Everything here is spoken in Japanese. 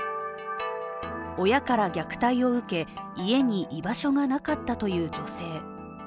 親から虐待を受け、家に居場所がなかったという女性。